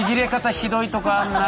ひどいとこあんなぁ。